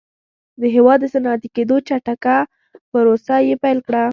د هېواد د صنعتي کېدو چټکه پروسه یې پیل کړه